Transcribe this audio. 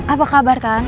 apa kabar tan